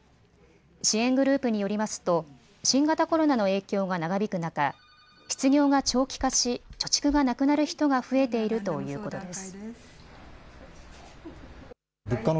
支援グループによりますと新型コロナの影響が長引く中、失業が長期化し貯蓄がなくなる人が増えているということです。